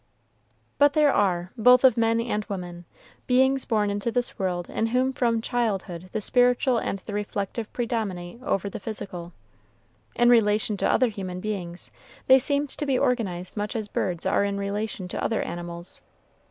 But there are, both of men and women, beings born into this world in whom from childhood the spiritual and the reflective predominate over the physical. In relation to other human beings, they seem to be organized much as birds are in relation to other animals.